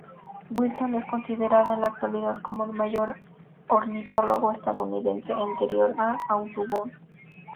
Wilson es considerado en la actualidad como el mayor ornitólogo estadounidense anterior a Audubon.